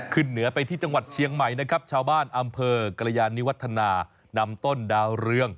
เหนือไปที่จังหวัดเชียงใหม่นะครับชาวบ้านอำเภอกรยานิวัฒนานำต้นดาวเรือง